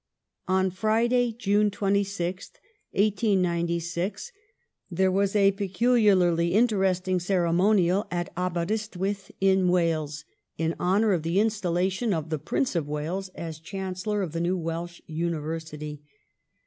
On Friday, June 26, 1896, there was a peculiarly interesting ceremonial at Aberystwith, in Wales, in honor of the installation of the Prince of Wales as Chancellor of the new Welsh University.